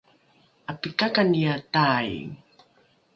’apikakaniae tai